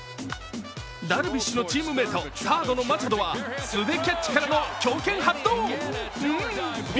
ダルビッシュのチームメート、サードのマチャドは素手キャッチからの強肩発動。